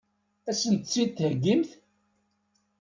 Ad sent-tt-id-theggimt?